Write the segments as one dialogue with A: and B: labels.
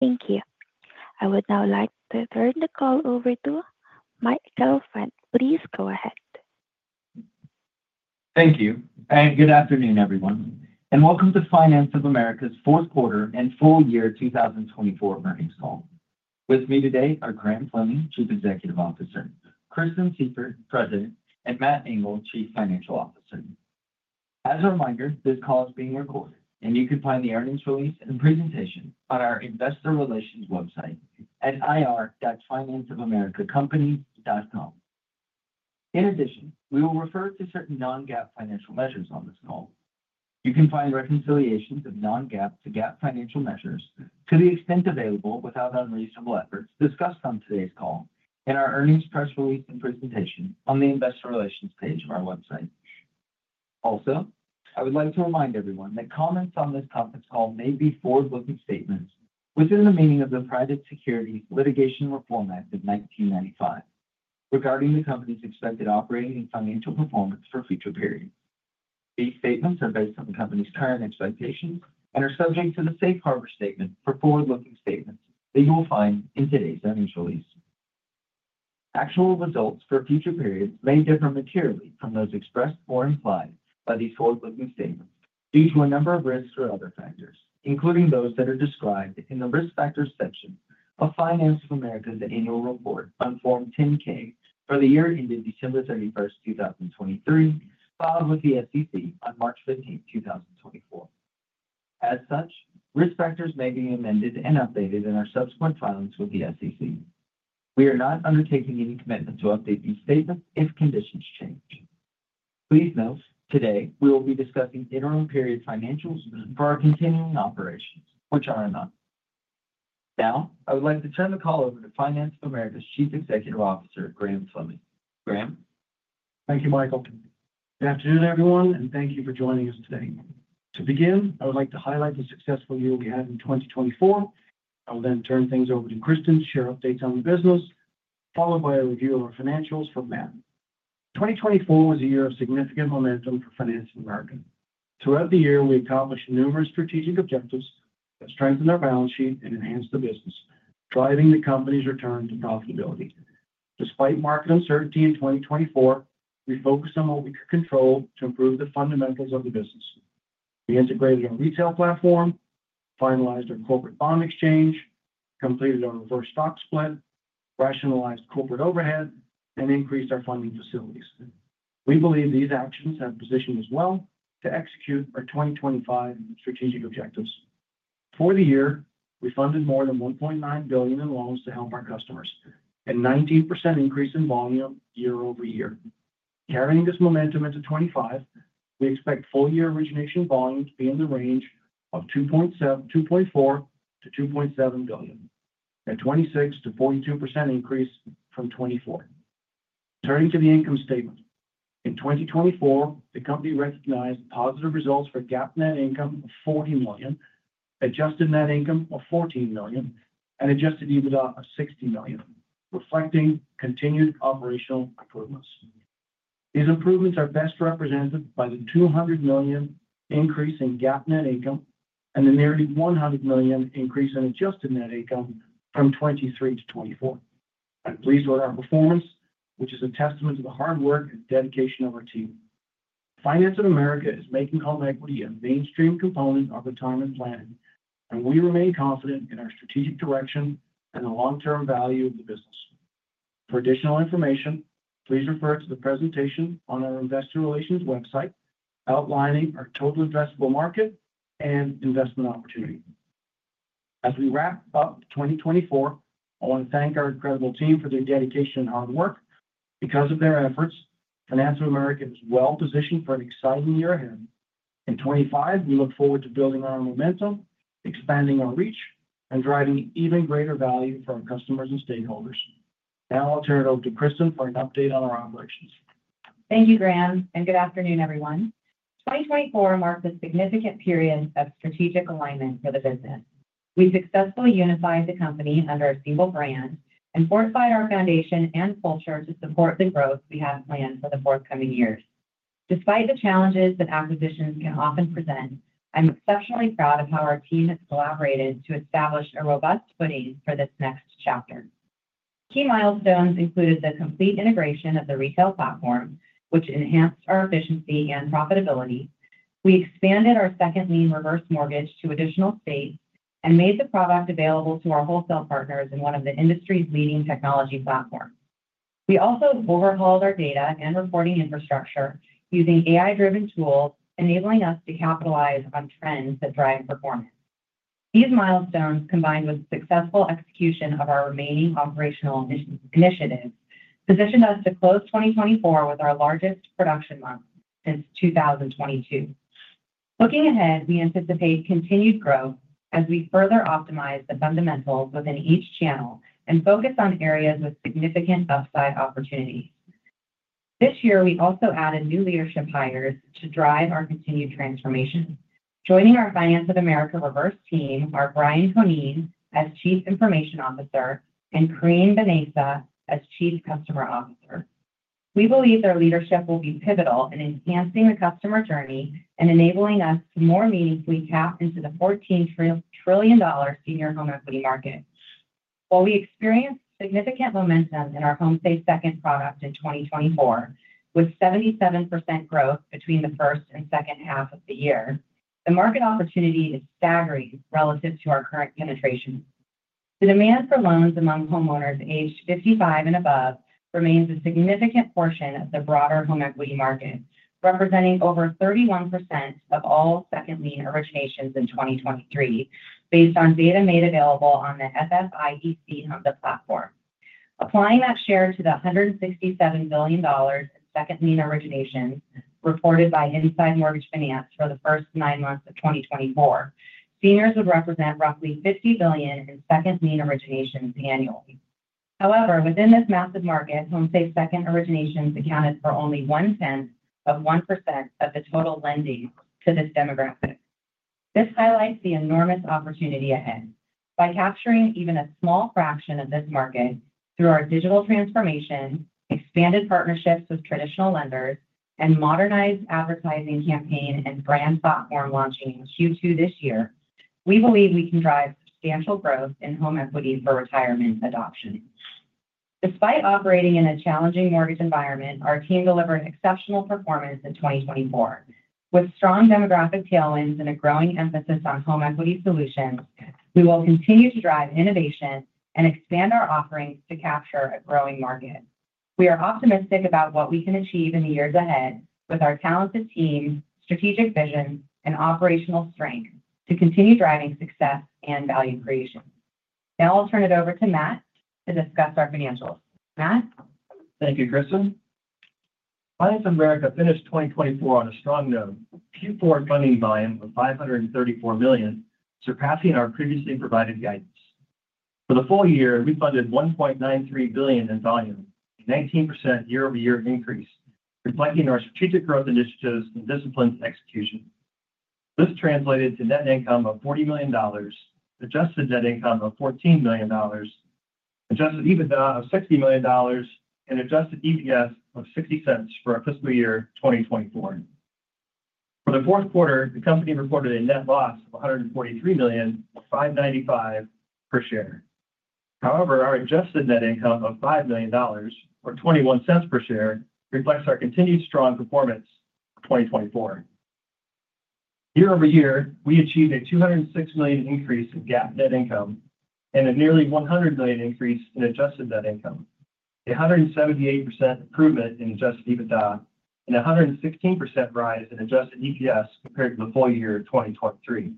A: Thank you. I would now like to turn the call over to Michael Fant. Please go ahead.
B: Thank you, and good afternoon, everyone, and welcome to Finance of America's fourth quarter and full year 2024 earnings call. With me today are Graham Fleming, Chief Executive Officer; Kristen Sieffert, President; and Matt Engel, Chief Financial Officer. As a reminder, this call is being recorded, and you can find the earnings release and presentation on our Investor Relations website at ir.financeofamerica.com. In addition, we will refer to certain non-GAAP financial measures on this call. You can find reconciliations of non-GAAP to GAAP financial measures to the extent available without unreasonable efforts discussed on today's call in our earnings press release and presentation on the Investor Relations page of our website. Also, I would like to remind everyone that comments on this conference call may be forward-looking statements within the meaning of the Private Securities Litigation Reform Act of 1995 regarding the company's expected operating and financial performance for future periods. These statements are based on the company's current expectations and are subject to the Safe Harbor Statement for forward-looking statements that you will find in today's earnings release. Actual results for future periods may differ materially from those expressed or implied by these forward-looking statements due to a number of risks or other factors, including those that are described in the risk factors section of Finance of America's annual report on Form 10-K for the year ended December 31, 2023, filed with the SEC on March 15, 2024. As such, risk factors may be amended and updated in our subsequent filings with the SEC. We are not undertaking any commitment to update these statements if conditions change. Please note, today we will be discussing interim period financials for our continuing operations, which are. Now, I would like to turn the call over to Finance of America's Chief Executive Officer, Graham Fleming. Graham.
C: Thank you, Michael. Good afternoon, everyone, and thank you for joining us today. To begin, I would like to highlight the successful year we had in 2024. I will then turn things over to Kristen to share updates on the business, followed by a review of our financials from Matt. 2024 was a year of significant momentum for Finance of America. Throughout the year, we accomplished numerous strategic objectives that strengthened our balance sheet and enhanced the business, driving the company's return to profitability. Despite market uncertainty in 2024, we focused on what we could control to improve the fundamentals of the business. We integrated our retail platform, finalized our corporate bond exchange, completed our reverse stock split, rationalized corporate overhead, and increased our funding facilities. We believe these actions have positioned us well to execute our 2025 strategic objectives. For the year, we funded more than $1.9 billion in loans to help our customers, a 19% increase in volume year over year. Carrying this momentum into 2025, we expect full-year origination volume to be in the range of $2.4 billion-$2.7 billion, a 26%-42% increase from 2024. Turning to the income statement, in 2024, the company recognized positive results for GAAP net income of $40 million, adjusted net income of $14 million, and adjusted EBITDA of $60 million, reflecting continued operational improvements. These improvements are best represented by the $200 million increase in GAAP net income and the nearly $100 million increase in adjusted net income from 2023 to 2024. Please note our performance, which is a testament to the hard work and dedication of our team. Finance of America is making home equity a mainstream component of retirement planning, and we remain confident in our strategic direction and the long-term value of the business. For additional information, please refer to the presentation on our Investor Relations website outlining our total addressable market and investment opportunity. As we wrap up 2024, I want to thank our incredible team for their dedication and hard work. Because of their efforts, Finance of America is well positioned for an exciting year ahead. In 2025, we look forward to building on our momentum, expanding our reach, and driving even greater value for our customers and stakeholders. Now, I'll turn it over to Kristen for an update on our operations.
D: Thank you, Graham, and good afternoon, everyone. 2024 marked a significant period of strategic alignment for the business. We successfully unified the company under a single brand and fortified our foundation and culture to support the growth we have planned for the forthcoming years. Despite the challenges that acquisitions can often present, I'm exceptionally proud of how our team has collaborated to establish a robust footing for this next chapter. Key milestones included the complete integration of the retail platform, which enhanced our efficiency and profitability. We expanded our second lien reverse mortgage to additional states and made the product available to our wholesale partners in one of the industry's leading technology platforms. We also overhauled our data and reporting infrastructure using AI-driven tools, enabling us to capitalize on trends that drive performance. These milestones, combined with successful execution of our remaining operational initiatives, positioned us to close 2024 with our largest production month since 2022. Looking ahead, we anticipate continued growth as we further optimize the fundamentals within each channel and focus on areas with significant upside opportunities. This year, we also added new leadership hires to drive our continued transformation. Joining our Finance of America Reverse team are Brian Koneeny as Chief Information Officer and Karime Benaissa as Chief Customer Officer. We believe their leadership will be pivotal in enhancing the customer journey and enabling us to more meaningfully tap into the $14 trillion senior home equity market. While we experienced significant momentum in our HomeSafe Second product in 2024, with 77% growth between the first and second half of the year, the market opportunity is staggering relative to our current penetration. The demand for loans among homeowners aged 55 and above remains a significant portion of the broader home equity market, representing over 31% of all second lien originations in 2023, based on data made available on the FFIEC HMDA platform. Applying that share to the $167 billion in second lien originations reported by Inside Mortgage Finance for the first nine months of 2024, seniors would represent roughly $50 billion in second lien originations annually. However, within this massive market, HomeSafe Second originations accounted for only one-tenth of 1% of the total lending to this demographic. This highlights the enormous opportunity ahead. By capturing even a small fraction of this market through our digital transformation, expanded partnerships with traditional lenders, and modernized advertising campaign and brand platform launching in Q2 this year, we believe we can drive substantial growth in home equity for retirement adoption. Despite operating in a challenging mortgage environment, our team delivered exceptional performance in 2024. With strong demographic tailwinds and a growing emphasis on home equity solutions, we will continue to drive innovation and expand our offerings to capture a growing market. We are optimistic about what we can achieve in the years ahead with our talented team, strategic vision, and operational strength to continue driving success and value creation. Now, I'll turn it over to Matt to discuss our financials. Matt.
E: Thank you, Kristen. Finance of America finished 2024 on a strong note, Q4 funding volume of $534 million, surpassing our previously provided guidance. For the full year, we funded $1.93 billion in volume, a 19% year-over-year increase, reflecting our strategic growth initiatives and discipline execution. This translated to net income of $40 million, adjusted net income of $14 million, adjusted EBITDA of $60 million, and adjusted EPS of $0.60 for our fiscal year 2024. For the fourth quarter, the company reported a net loss of $143 million, or $595 per share. However, our adjusted net income of $5 million, or $0.21 per share, reflects our continued strong performance for 2024. Year-over-year, we achieved a $206 million increase in GAAP net income and a nearly $100 million increase in adjusted net income, a 178% improvement in adjusted EBITDA, and a 116% rise in adjusted EPS compared to the full year of 2023.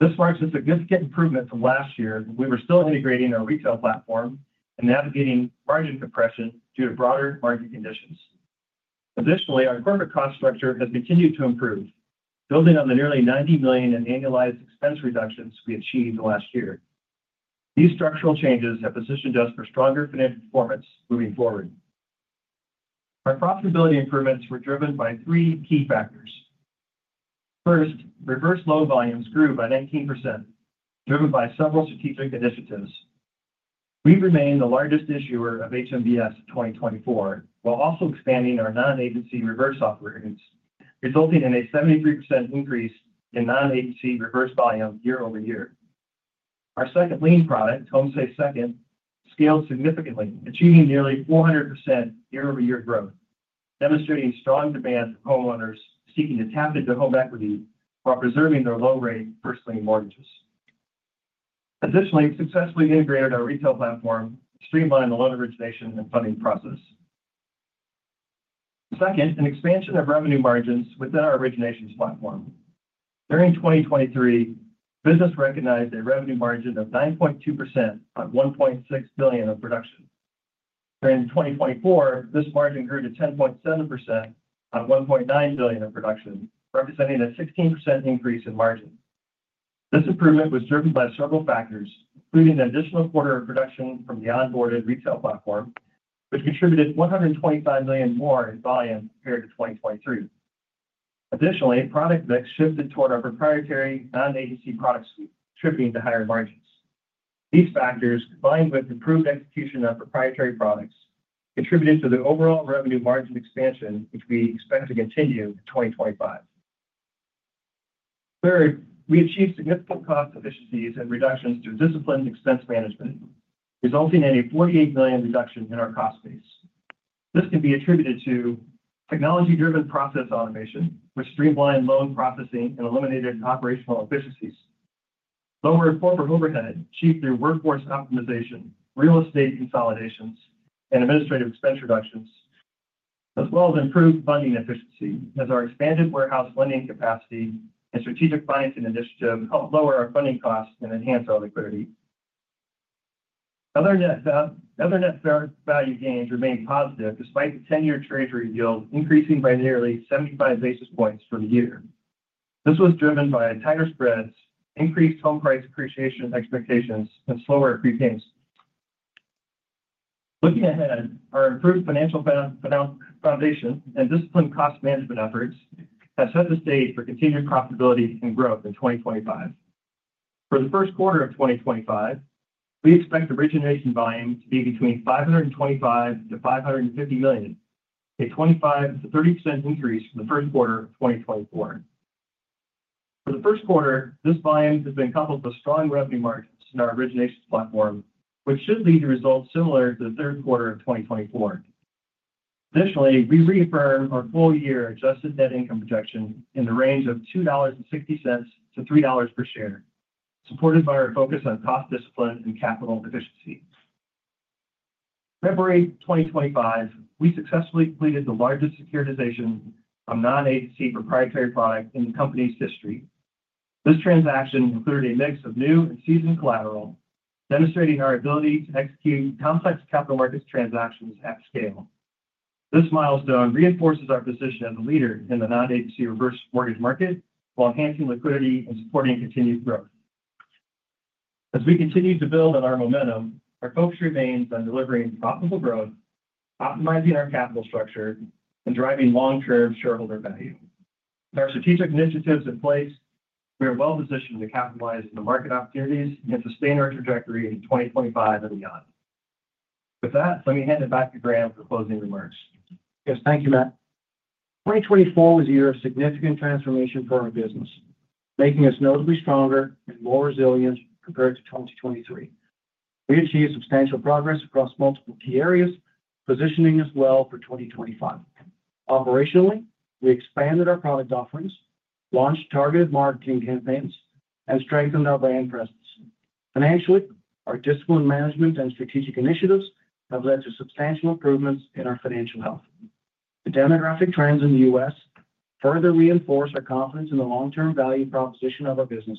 E: This marks a significant improvement from last year when we were still integrating our retail platform and navigating margin compression due to broader market conditions. Additionally, our corporate cost structure has continued to improve, building on the nearly $90 million in annualized expense reductions we achieved last year. These structural changes have positioned us for stronger financial performance moving forward. Our profitability improvements were driven by three key factors. First, reverse loan volumes grew by 19%, driven by several strategic initiatives. We remain the largest issuer of HMBS in 2024 while also expanding our non-agency reverse offerings, resulting in a 73% increase in non-agency reverse volume year-over-year. Our second lien product, HomeSafe Second, scaled significantly, achieving nearly 400% year-over-year growth, demonstrating strong demand from homeowners seeking to tap into home equity while preserving their low-rate first lien mortgages. Additionally, we successfully integrated our retail platform to streamline the loan origination and funding process. Second, an expansion of revenue margins within our originations platform. During 2023, business recognized a revenue margin of 9.2% on $1.6 billion of production. During 2024, this margin grew to 10.7% on $1.9 billion of production, representing a 16% increase in margin. This improvement was driven by several factors, including an additional quarter of production from the onboarded retail platform, which contributed $125 million more in volume compared to 2023. Additionally, product mix shifted toward our proprietary non-agency product suite, contributing to higher margins. These factors, combined with improved execution of proprietary products, contributed to the overall revenue margin expansion, which we expect to continue in 2025. Third, we achieved significant cost efficiencies and reductions through disciplined expense management, resulting in a $48 million reduction in our cost base. This can be attributed to technology-driven process automation, which streamlined loan processing and eliminated operational inefficiencies. Lower corporate overhead achieved through workforce optimization, real estate consolidations, and administrative expense reductions, as well as improved funding efficiency, as our expanded warehouse lending capacity and strategic financing initiative helped lower our funding costs and enhance our liquidity. Other net value gains remained positive despite the 10-year treasury yield increasing by nearly 75 basis points for the year. This was driven by tighter spreads, increased home price appreciation expectations, and slower prepayments. Looking ahead, our improved financial foundation and disciplined cost management efforts have set the stage for continued profitability and growth in 2025. For the first quarter of 2025, we expect origination volume to be between $525 million-$550 million, a 25%-30% increase from the first quarter of 2024. For the first quarter, this volume has been coupled with strong revenue margins in our originations platform, which should lead to results similar to the third quarter of 2024. Additionally, we reaffirm our full-year adjusted net income projection in the range of $2.60-$3 per share, supported by our focus on cost discipline and capital efficiency. In February 2025, we successfully completed the largest securitization of non-agency proprietary product in the company's history. This transaction included a mix of new and seasoned collateral, demonstrating our ability to execute complex capital markets transactions at scale. This milestone reinforces our position as a leader in the non-agency reverse mortgage market while enhancing liquidity and supporting continued growth. As we continue to build on our momentum, our focus remains on delivering profitable growth, optimizing our capital structure, and driving long-term shareholder value. With our strategic initiatives in place, we are well positioned to capitalize on the market opportunities and sustain our trajectory in 2025 and beyond. With that, let me hand it back to Graham for closing remarks. Yes, thank you, Matt. 2024 was a year of significant transformation for our business, making us notably stronger and more resilient compared to 2023. We achieved substantial progress across multiple key areas, positioning us well for 2025. Operationally, we expanded our product offerings, launched targeted marketing campaigns, and strengthened our brand presence. Financially, our discipline management and strategic initiatives have led to substantial improvements in our financial health. The demographic trends in the U.S. further reinforce our confidence in the long-term value proposition of our business.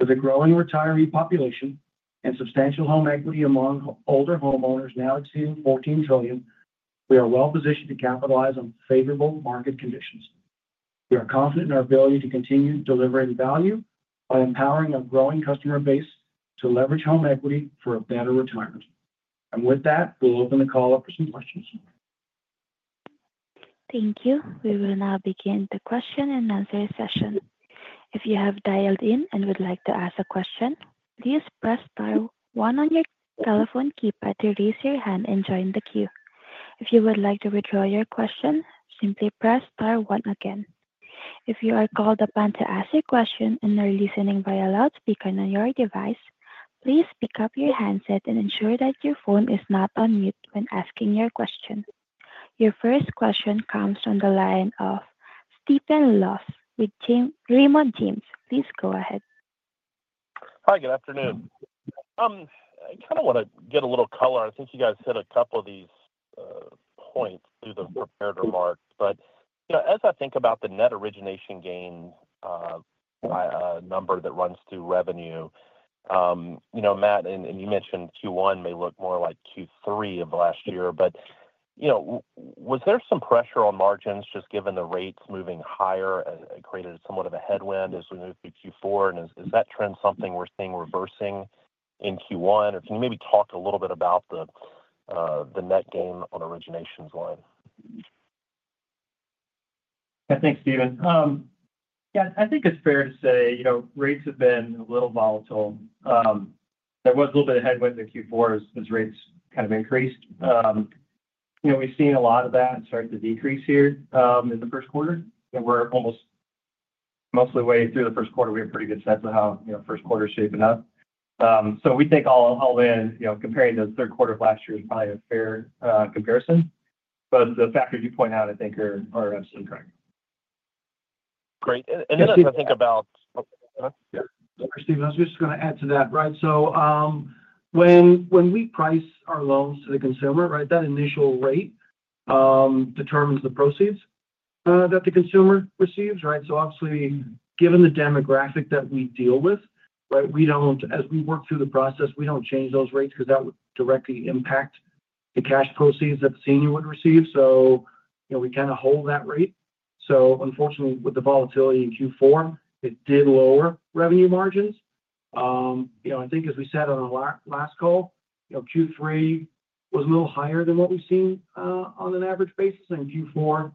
E: With a growing retiree population and substantial home equity among older homeowners now exceeding $14 trillion, we are well positioned to capitalize on favorable market conditions. We are confident in our ability to continue delivering value by empowering our growing customer base to leverage home equity for a better retirement. With that, we'll open the call up for some questions.
A: Thank you. We will now begin the question and answer session. If you have dialed in and would like to ask a question, please press star one on your telephone keypad to raise your hand and join the queue. If you would like to withdraw your question, simply press star one again. If you are called upon to ask a question and are listening via loudspeaker on your device, please pick up your handset and ensure that your phone is not on mute when asking your question. Your first question comes from the line of Stephen Laws with Raymond James. Please go ahead.
F: Hi, good afternoon. I kind of want to get a little color. I think you guys hit a couple of these points through the prepared remarks. As I think about the net origination gain number that runs through revenue, Matt, and you mentioned Q1 may look more like Q3 of last year, was there some pressure on margins just given the rates moving higher? It created somewhat of a headwind as we moved through Q4. Is that trend something we're seeing reversing in Q1? Can you maybe talk a little bit about the net gain on originations line?
E: I think, Stephen. Yeah, I think it's fair to say rates have been a little volatile. There was a little bit of headwinds in Q4 as rates kind of increased. We've seen a lot of that start to decrease here in the first quarter. We're almost mostly way through the first quarter. We have a pretty good sense of how first quarter is shaping up. We think all in, comparing to the third quarter of last year is probably a fair comparison. The factors you point out, I think, are absolutely correct.
F: Great. If I think about.
E: Yeah.
C: Stephen, I was just going to add to that. Right? So when we price our loans to the consumer, right, that initial rate determines the proceeds that the consumer receives. Right? Obviously, given the demographic that we deal with, as we work through the process, we do not change those rates because that would directly impact the cash proceeds that the senior would receive. We kind of hold that rate. Unfortunately, with the volatility in Q4, it did lower revenue margins. I think, as we said on our last call, Q3 was a little higher than what we have seen on an average basis, and Q4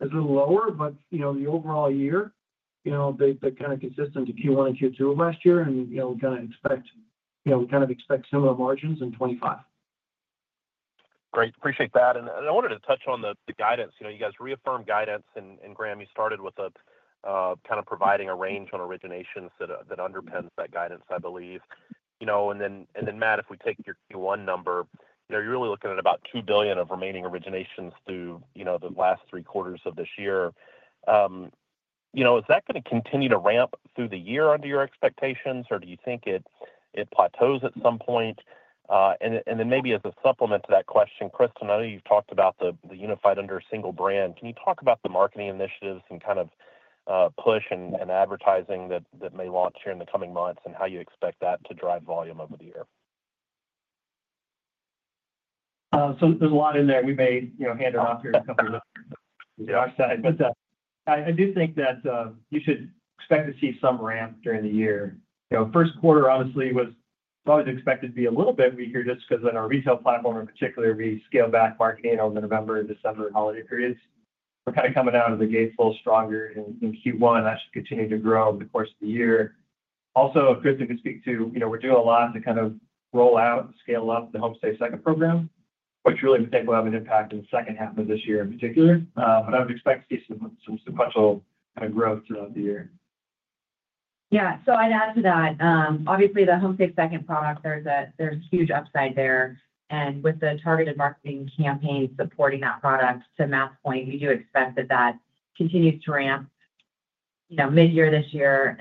C: is a little lower. The overall year, they have been kind of consistent in Q1 and Q2 of last year, and we kind of expect similar margins in 2025.
F: Great. Appreciate that. I wanted to touch on the guidance. You guys reaffirmed guidance, and Graham, you started with kind of providing a range on originations that underpins that guidance, I believe. Matt, if we take your Q1 number, you're really looking at about $2 billion of remaining originations through the last three quarters of this year. Is that going to continue to ramp through the year under your expectations, or do you think it plateaus at some point? Maybe as a supplement to that question, Kristen, I know you've talked about the unified under a single brand. Can you talk about the marketing initiatives and kind of push and advertising that may launch here in the coming months and how you expect that to drive volume over the year?
E: There is a lot in there. We may hand it off here to come to our side. I do think that you should expect to see some ramp during the year. First quarter, honestly, was probably expected to be a little bit weaker just because in our retail platform, in particular, we scaled back marketing on the November, December, and holiday periods. We are kind of coming out of the gates a little stronger in Q1. That should continue to grow over the course of the year. Also, Kristen could speak to we are doing a lot to kind of roll out and scale up the HomeSafe Second program, which really we think will have an impact in the second half of this year in particular. I would expect to see some sequential kind of growth throughout the year.
D: Yeah. So I'd add to that. Obviously, the HomeSafe Second product, there's huge upside there. With the targeted marketing campaign supporting that product, to Matt's point, we do expect that that continues to ramp mid-year this year.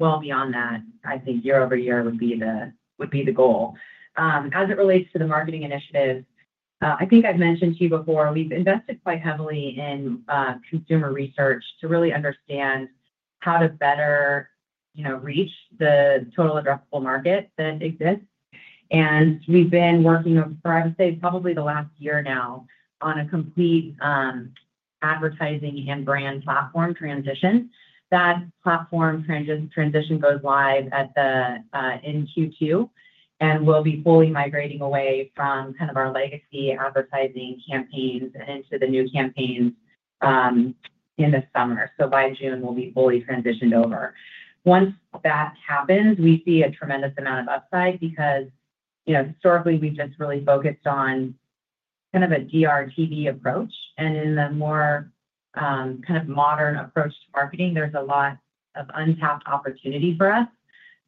D: Well beyond that, I think year over year would be the goal. As it relates to the marketing initiative, I think I've mentioned to you before, we've invested quite heavily in consumer research to really understand how to better reach the total addressable market that exists. We've been working for, I would say, probably the last year now on a complete advertising and brand platform transition. That platform transition goes live in Q2 and will be fully migrating away from kind of our legacy advertising campaigns and into the new campaigns in the summer. By June, we'll be fully transitioned over. Once that happens, we see a tremendous amount of upside because historically, we've just really focused on kind of a DRTV approach. In the more kind of modern approach to marketing, there's a lot of untapped opportunity for us.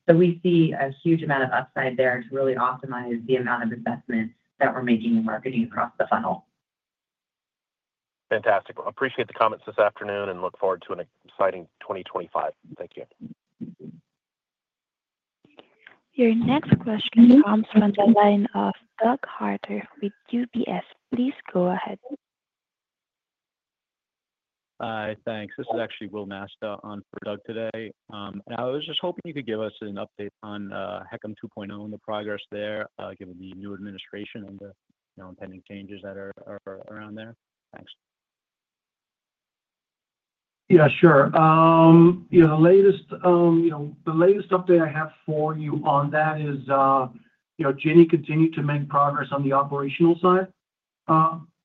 D: We see a huge amount of upside there to really optimize the amount of investment that we're making in marketing across the funnel.
F: Fantastic. Appreciate the comments this afternoon and look forward to an exciting 2025. Thank you.
A: Your next question comes from the line of Doug Harter with UBS. Please go ahead.
G: Hi, thanks. This is actually Will Nasta on for Doug today. I was just hoping you could give us an update on HMBS 2.0 and the progress there, given the new administration and the impending changes that are around there. Thanks.
C: Yeah, sure. The latest update I have for you on that is Ginnie continued to make progress on the operational side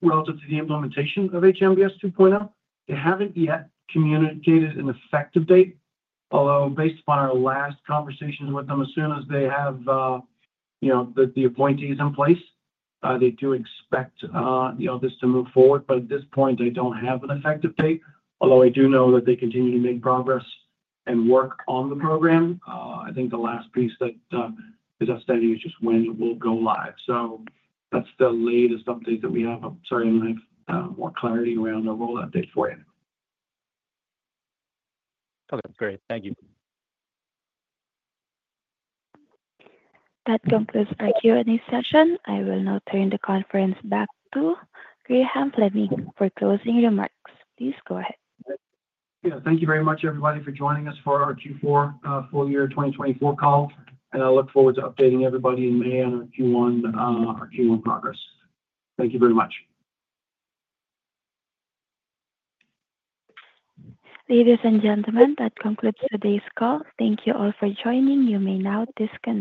C: relative to the implementation of HMBS 2.0. They haven't yet communicated an effective date, although based upon our last conversations with them, as soon as they have the appointees in place, they do expect this to move forward. At this point, I don't have an effective date, although I do know that they continue to make progress and work on the program. I think the last piece that is upstanding is just when it will go live. That's the latest update that we have. I'm sorry I don't have more clarity around our rollout date for you.
G: Okay. Great. Thank you.
A: That concludes our Q&A session. I will now turn the conference back to Graham Fleming for closing remarks. Please go ahead.
C: Yeah. Thank you very much, everybody, for joining us for our Q4 full year 2024 call. I look forward to updating everybody in May on our Q1 progress. Thank you very much.
A: Ladies and gentlemen, that concludes today's call. Thank you all for joining. You may now disconnect.